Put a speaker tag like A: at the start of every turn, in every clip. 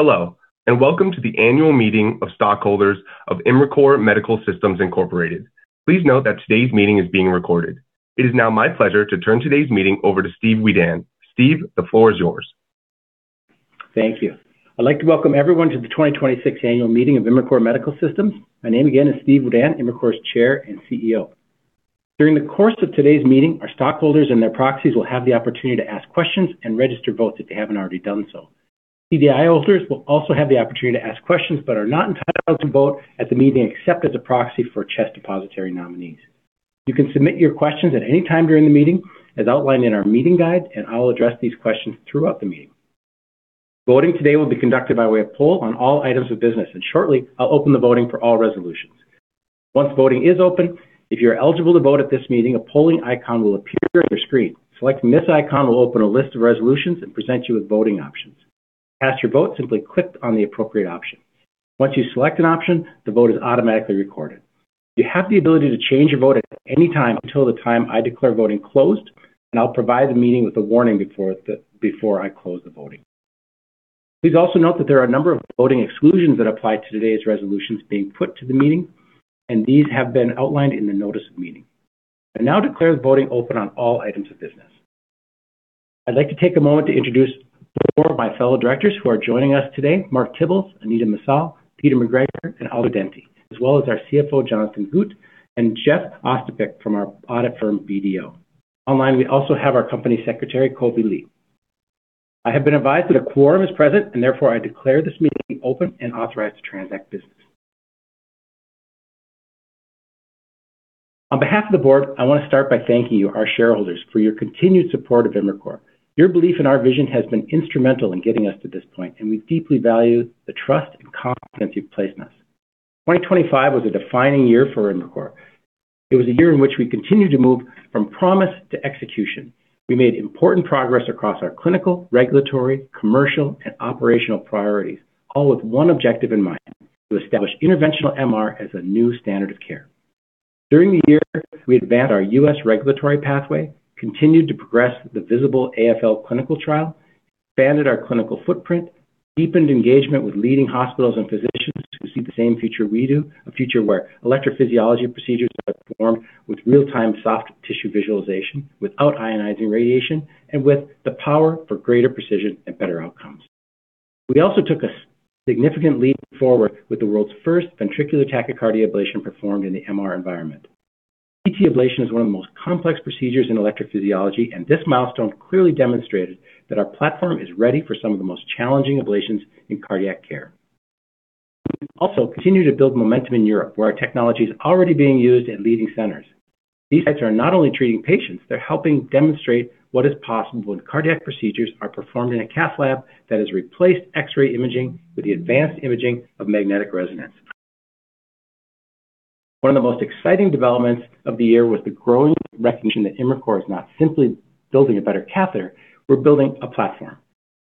A: Hello, and welcome to the annual meeting of stockholders of Imricor Medical Systems, Inc.. Please note that today's meeting is being recorded. It is now my pleasure to turn today's meeting over to Steve Wedan. Steve, the floor is yours.
B: Thank you. I'd like to welcome everyone to the 2026 annual meeting of Imricor Medical Systems. My name again is Steve Wedan, Imricor's Chair and CEO. During the course of today's meeting, our stockholders and their proxies will have the opportunity to ask questions and register votes if they haven't already done so. CDI holders will also have the opportunity to ask questions but are not entitled to vote at the meeting except as a proxy for CHESS Depositary Nominees. You can submit your questions at any time during the meeting as outlined in our meeting guide. I will address these questions throughout the meeting. Voting today will be conducted by way of poll on all items of business. Shortly, I'll open the voting for all resolutions. Once voting is open, if you're eligible to vote at this meeting, a polling icon will appear on your screen. Selecting this icon will open a list of resolutions and present you with voting options. To cast your vote, simply click on the appropriate option. Once you select an option, the vote is automatically recorded. You have the ability to change your vote at any time until the time I declare voting closed, and I'll provide the meeting with a warning before I close the voting. Please also note that there are a number of voting exclusions that apply to today's resolutions being put to the meeting, and these have been outlined in the notice of meeting. I now declare the voting open on all items of business. I'd like to take a moment to introduce four of my fellow directors who are joining us today, Mark Tibbles, Anita Messal, Peter McGregor, and Aldo Denti, as well as our CFO, Jonathon Gut, and Jeff Ostapik from our audit firm, BDO. Online, we also have our company secretary, Kobe Li. I have been advised that a quorum is present. Therefore, I declare this meeting open and authorized to transact business. On behalf of the board, I want to start by thanking you, our shareholders, for your continued support of Imricor. Your belief in our vision has been instrumental in getting us to this point, and we deeply value the trust and confidence you've placed in us. 2025 was a defining year for Imricor. It was a year in which we continued to move from promise to execution. We made important progress across our clinical, regulatory, commercial, and operational priorities, all with one objective in mind: to establish interventional MR as a new standard of care. During the year, we advanced our U.S. regulatory pathway, continued to progress the VISABL-AFL clinical trial, expanded our clinical footprint, deepened engagement with leading hospitals and physicians who see the same future we do, a future where electrophysiology procedures are performed with real-time soft tissue visualization without ionizing radiation and with the power for greater precision and better outcomes. We also took a significant leap forward with the world's first ventricular tachycardia ablation performed in the MR environment. VT ablation is one of the most complex procedures in electrophysiology, and this milestone clearly demonstrated that our platform is ready for some of the most challenging ablations in cardiac care. We also continue to build momentum in Europe, where our technology is already being used in leading centers. These sites are not only treating patients, they're helping demonstrate what is possible when cardiac procedures are performed in a cath lab that has replaced X-ray imaging with the advanced imaging of magnetic resonance. One of the most exciting developments of the year was the growing recognition that Imricor is not simply building a better catheter, we're building a platform.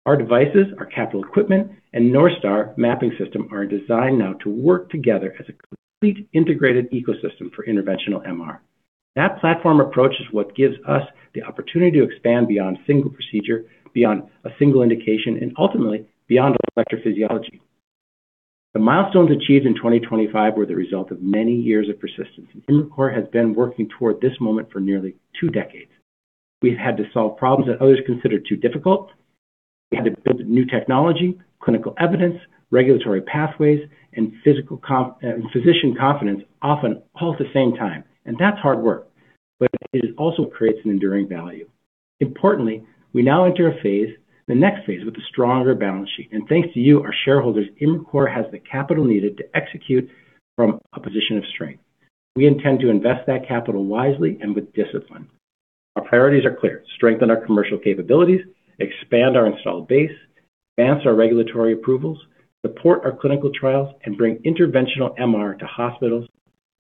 B: Our devices, our capital equipment, and NorthStar Mapping System are designed now to work together as a complete integrated ecosystem for interventional MR. That platform approach is what gives us the opportunity to expand beyond a single procedure, beyond a single indication, and ultimately, beyond electrophysiology. The milestones achieved in 2025 were the result of many years of persistence, and Imricor has been working toward this moment for nearly two decades. We've had to solve problems that others consider too difficult. We had to build new technology, clinical evidence, regulatory pathways, and physical and physician confidence, often all at the same time. That's hard work, but it also creates an enduring value. Importantly, we now enter a phase, the next phase, with a stronger balance sheet. Thanks to you, our shareholders, Imricor has the capital needed to execute from a position of strength. We intend to invest that capital wisely and with discipline. Our priorities are clear: strengthen our commercial capabilities, expand our installed base, advance our regulatory approvals, support our clinical trials, and bring interventional MR to hospitals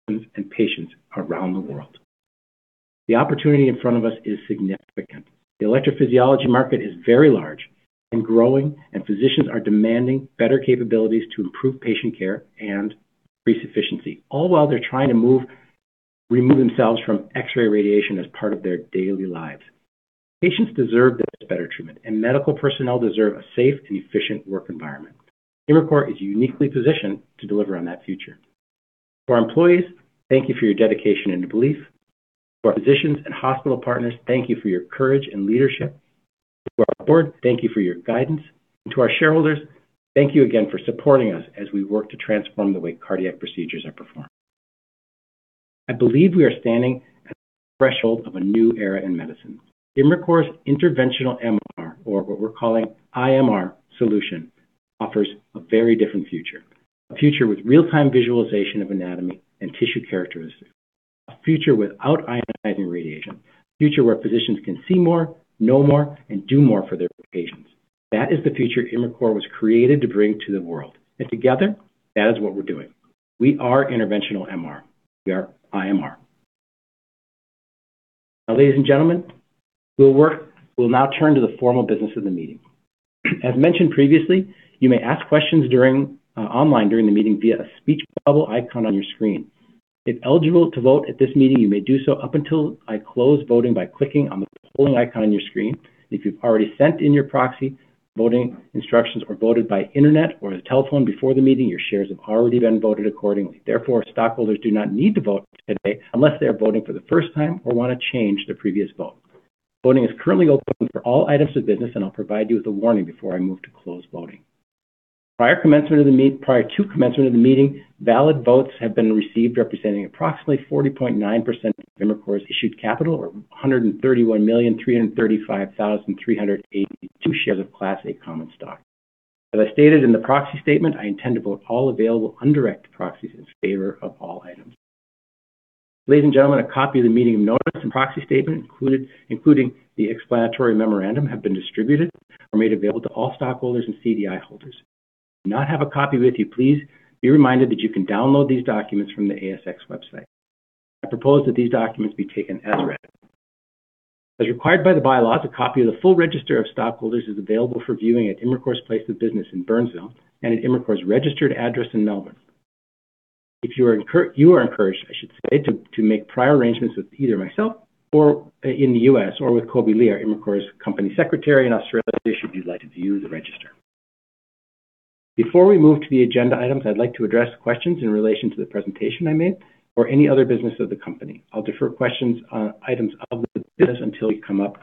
B: and patients around the world. The opportunity in front of us is significant. The electrophysiology market is very large and growing, and physicians are demanding better capabilities to improve patient care and increase efficiency, all while they're trying to remove themselves from X-ray radiation as part of their daily lives. Patients deserve this better treatment, and medical personnel deserve a safe and efficient work environment. Imricor is uniquely positioned to deliver on that future. For our employees, thank you for your dedication and belief. For our physicians and hospital partners, thank you for your courage and leadership. To our board, thank you for your guidance. To our shareholders, thank you again for supporting us as we work to transform the way cardiac procedures are performed. I believe we are standing at the threshold of a new era in medicine. Imricor's interventional MR, or what we're calling IMR solution, offers a very different future. A future with real-time visualization of anatomy and tissue characteristics. A future without ionizing radiation. A future where physicians can see more, know more, and do more for their patients. That is the future Imricor was created to bring to the world. Together, that is what we're doing. We are interventional MR. We are IMR. Ladies and gentlemen, we'll now turn to the formal business of the meeting. As mentioned previously, you may ask questions during online during the meeting via a speech bubble icon on your screen. If eligible to vote at this meeting, you may do so up until I close voting by clicking on the polling icon on your screen. If you've already sent in your proxy voting instructions or voted by internet or telephone before the meeting, your shares have already been voted accordingly. Therefore, stockholders do not need to vote today unless they are voting for the first time or wanna change their previous vote. Voting is currently open for all items of business, and I'll provide you with a warning before I move to close voting. Prior to commencement of the meeting, valid votes have been received representing approximately 40.9% of Imricor's issued capital, or 131,335,382 shares of Class A common stock. As I stated in the proxy statement, I intend to vote all available undirect proxies in favor of all items. Ladies and gentlemen, a copy of the meeting notice and proxy statement included, including the explanatory memorandum, have been distributed or made available to all stockholders and CDI holders. If you do not have a copy with you, please be reminded that you can download these documents from the ASX website. I propose that these documents be taken as read. As required by the bylaws, a copy of the full register of stockholders is available for viewing at Imricor's place of business in Burnsville and at Imricor's registered address in Melbourne. You are encouraged, I should say, to make prior arrangements with either myself or in the U.S. or with Kobe Li, our Imricor's Company Secretary in Australia, should you like to view the register. Before we move to the agenda items, I'd like to address questions in relation to the presentation I made or any other business of the company. I'll defer questions on items of the business until we come up to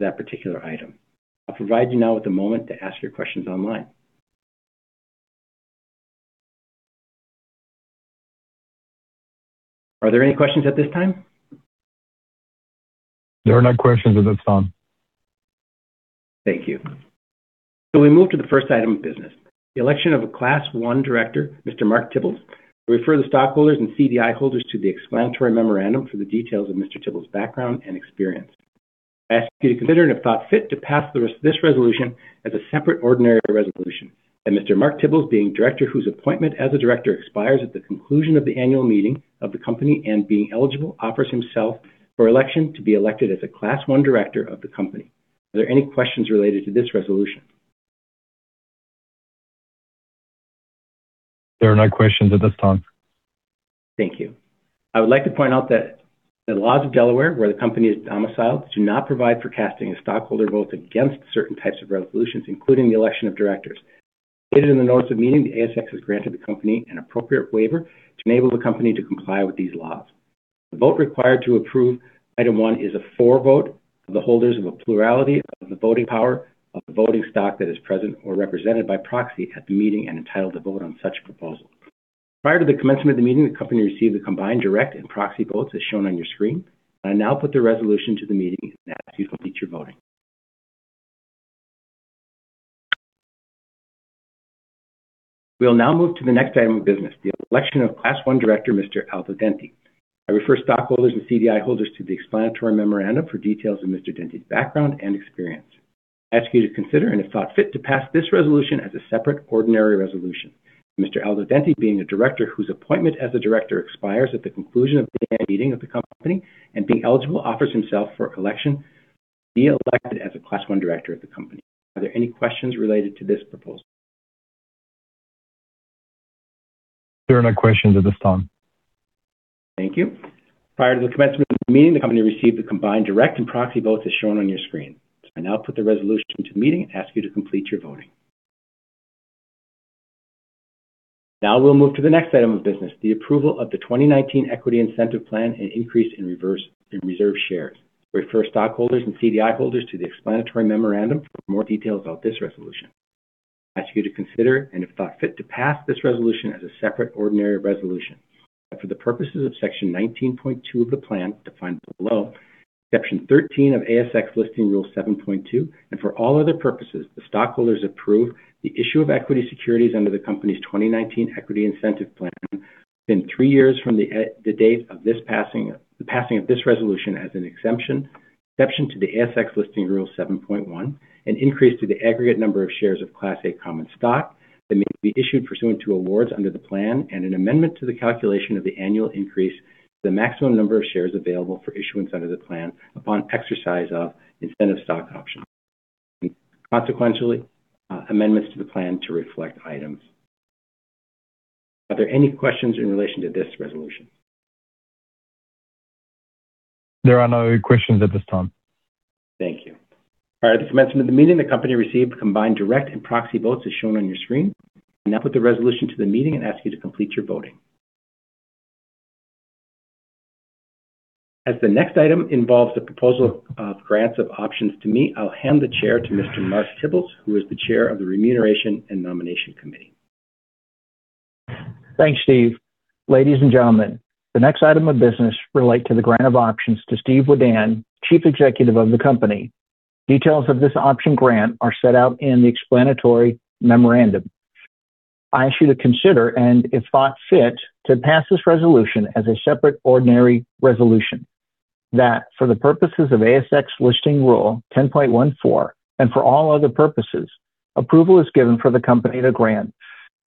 B: that particular item. I'll provide you now with a moment to ask your questions online. Are there any questions at this time?
A: There are no questions at this time.
B: Thank you. We move to the first item of business, the election of a Class 1 director, Mr. Mark Tibbles. I refer the stockholders and CDI holders to the explanatory memorandum for the details of Mr. Tibbles' background and experience. I ask you to consider, and if thought fit, to pass this resolution as a separate ordinary resolution. That Mr. Mark Tibbles, being director, whose appointment as a director expires at the conclusion of the annual meeting of the company and, being eligible, offers himself for election to be elected as a Class 1 director of the company. Are there any questions related to this resolution?
A: There are no questions at this time.
B: Thank you. I would like to point out that the laws of Delaware, where the company is domiciled, do not provide for casting a stockholder vote against certain types of resolutions, including the election of directors. Stated in the notice of meeting, the ASX has granted the company an appropriate waiver to enable the company to comply with these laws. The vote required to approve item 1 is a for vote of the holders of a plurality of the voting power of the voting stock that is present or represented by proxy at the meeting and entitled to vote on such a proposal. Prior to the commencement of the meeting, the company received the combined direct and proxy votes as shown on your screen. I now put the resolution to the meeting and ask you to complete your voting. We'll now move to the next item of business, the election of Class 1 director, Mr. Aldo Denti. I refer stockholders and CDI holders to the explanatory memorandum for details of Mr. Denti's background and experience. I ask you to consider, and if thought fit, to pass this resolution as a separate ordinary resolution. That Mr. Aldo Denti, being a director, whose appointment as a director expires at the conclusion of the annual meeting of the company and, being eligible, offers himself for election to be elected as a Class 1 director of the company. Are there any questions related to this proposal?
A: There are no questions at this time.
B: Thank you. Prior to the commencement of the meeting, the company received the combined direct and proxy votes as shown on your screen. I now put the resolution to the meeting and ask you to complete your voting. Now we'll move to the next item of business, the approval of the 2019 Equity Incentive Plan, an increase in reserve shares. I refer stockholders and CDI holders to the explanatory memorandum for more details about this resolution. I ask you to consider, and if thought fit, to pass this resolution as a separate ordinary resolution. That for the purposes of Section 19.2 of the plan, defined below, Section 13 of ASX Listing Rule 7.2, and for all other purposes, the stockholders approve the issue of equity securities under the company's 2019 Equity Incentive Plan within three years from the date of this passing of this resolution as an exemption, exception to the ASX Listing Rule 7.1, an increase to the aggregate number of shares of Class A common stock that may be issued pursuant to awards under the plan and an amendment to the calculation of the annual increase to the maximum number of shares available for issuance under the plan upon exercise of incentive stock options. Consequentially, amendments to the plan to reflect items. Are there any questions in relation to this resolution?
A: There are no questions at this time.
B: Thank you. Prior to the commencement of the meeting, the company received combined direct and proxy votes as shown on your screen. I now put the resolution to the meeting and ask you to complete your voting. As the next item involves the proposal of grants of options to me, I'll hand the chair to Mr. Mark Tibbles, who is the Chair of the Nomination and Remuneration Committee.
C: Thanks, Steve. Ladies and gentlemen, the next item of business relate to the grant of options to Steve Wedan, Chief Executive of the company. Details of this option grant are set out in the explanatory memorandum. I ask you to consider, and if thought fit, to pass this resolution as a separate ordinary resolution. That for the purposes of ASX Listing Rule 10.14 and for all other purposes, approval is given for the company to grant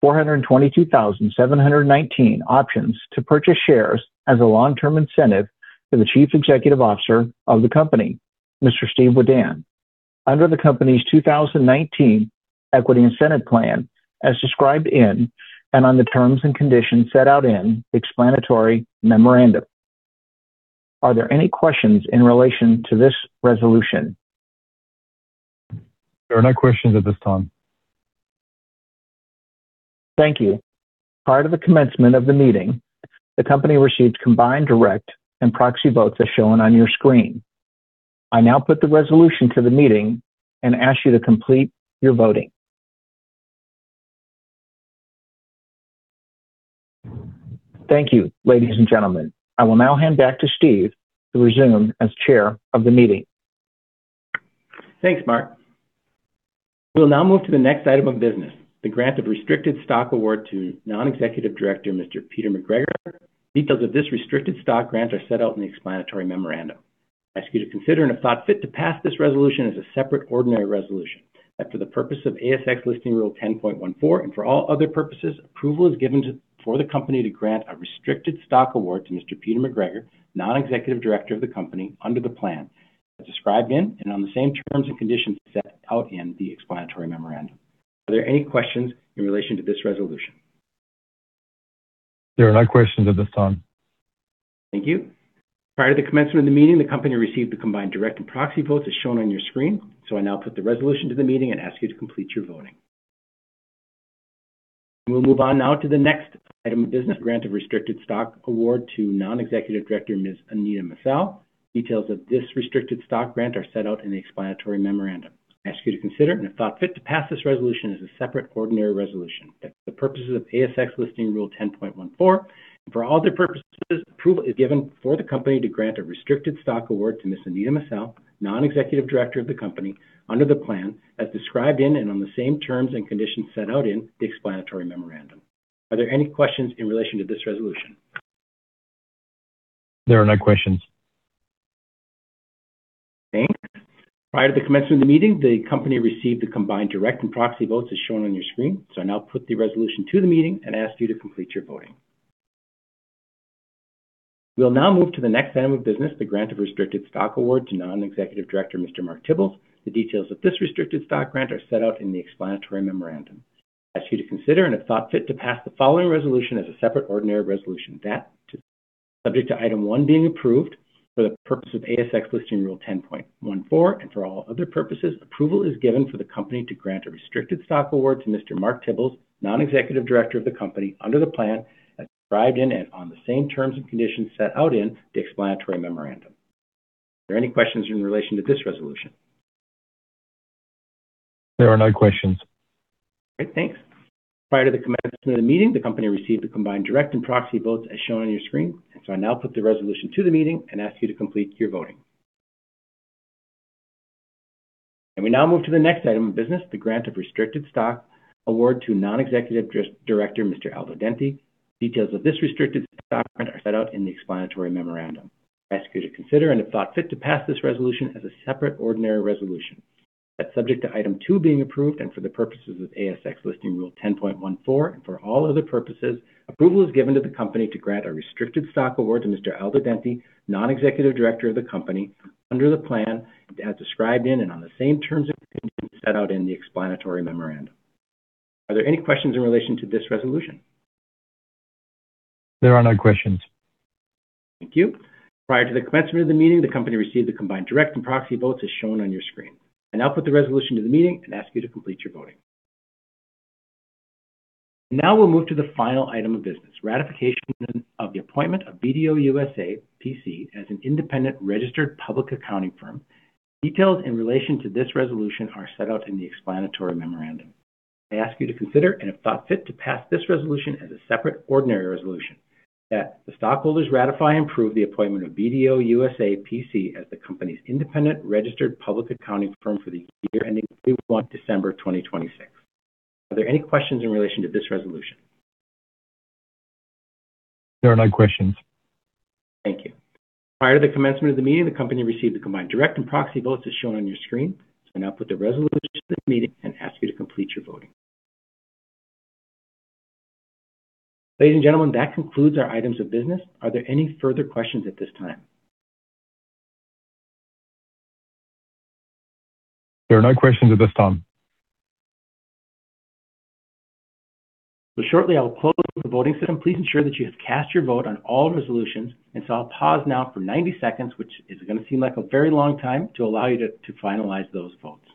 C: 422,719 options to purchase shares as a long-term incentive to the Chief Executive Officer of the company, Mr. Steve Wedan. Under the company's 2019 Equity Incentive Plan, as described in and on the terms and conditions set out in explanatory memorandum. Are there any questions in relation to this resolution?
A: There are no questions at this time.
C: Thank you. Prior to the commencement of the meeting, the company received combined direct and proxy votes as shown on your screen. I now put the resolution to the meeting and ask you to complete your voting. Thank you, ladies and gentlemen. I will now hand back to Steve to resume as chair of the meeting.
B: Thanks, Mark. We'll now move to the next item of business, the grant of restricted stock award to non-executive director, Mr. Peter McGregor. Details of this restricted stock grant are set out in the explanatory memorandum. I ask you to consider, and if thought fit, to pass this resolution as a separate ordinary resolution. That for the purpose of ASX Listing Rule 10.14 and for all other purposes, approval is given to, for the company to grant a restricted stock award to Mr. Peter McGregor, non-executive director of the company, under the plan, as described in and on the same terms and conditions set out in the explanatory memorandum. Are there any questions in relation to this resolution?
A: There are no questions at this time.
B: Thank you. Prior to the commencement of the meeting, the company received the combined direct and proxy votes as shown on your screen. I now put the resolution to the meeting and ask you to complete your voting. We'll move on now to the next item of business, the grant of restricted stock award to Non-executive Director, Ms. Anita Messal. Details of this restricted stock grant are set out in the explanatory memorandum. I ask you to consider, and if thought fit, to pass this resolution as a separate ordinary resolution. That for the purposes of ASX Listing Rule 10.14, and for all other purposes, approval is given for the company to grant a restricted stock award to Ms. Anita Messal, Non-executive Director of the company, under the plan Details of this restricted stock grant are set out in the explanatory memorandum. I ask you to consider, and if thought fit, to pass this resolution as a separate ordinary resolution. That subject to item two being approved, and for the purposes of ASX Listing Rule 10.14, and for all other purposes, approval is given to the company to grant a restricted stock award to Mr. Aldo Denti, Non-executive Director of the company, under the plan as described in and on the same terms and conditions set out in the explanatory memorandum. Are there any questions in relation to this resolution?
A: There are no questions.
B: Thank you. Prior to the commencement of the meeting, the company received the combined direct and proxy votes as shown on your screen. I now put the resolution to the meeting and ask you to complete your voting. Now we'll move to the final item of business, ratification of the appointment of BDO USA, P.C. as an independent registered public accounting firm. Details in relation to this resolution are set out in the explanatory memorandum. I ask you to consider, and if thought fit, to pass this resolution as a separate ordinary resolution. That the stockholders ratify and prove the appointment of BDO USA, P.C. as the company's independent registered public accounting firm for the year ending 31 December 2026. Are there any questions in relation to this resolution?
A: There are no questions.
B: Thank you. Prior to the commencement of the meeting, the company received the combined direct and proxy votes as shown on your screen. I now put the resolution to the meeting and ask you to complete your voting. Ladies and gentlemen, that concludes our items of business. Are there any further questions at this time?
A: There are no questions at this time.
B: Shortly, I will close the voting system. Please ensure that you have cast your vote on all resolutions. I'll pause now for 90 seconds, which is gonna seem like a very long time, to allow you to finalize those votes.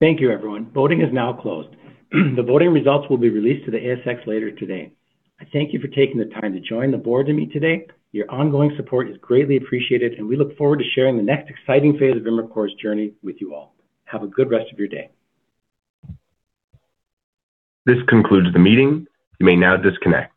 B: Thank you, everyone. Voting is now closed. The voting results will be released to the ASX later today. I thank you for taking the time to join the board to meet today. Your ongoing support is greatly appreciated, and we look forward to sharing the next exciting phase of Imricor's journey with you all. Have a good rest of your day.
A: This concludes the meeting. You may now disconnect.